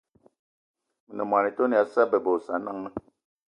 Me ne mô-etone ya Sa'a bebe y Osananga